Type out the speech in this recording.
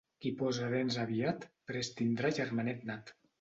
Qui posa dents aviat prest tindrà germanet nat.